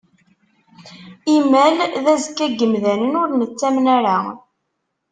Imal d azekka n yimdanen ur nettamen ara.